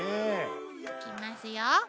いきますよ。